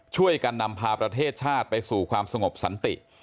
ช่วยกันนำพาประเทศชาติไปสู่ความสงบสันติ